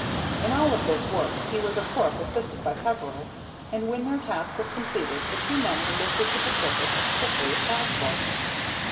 In all of this work he was of course assisted by Peveril, and when their task was completed the two men were lifted to the surface as quickly as possible.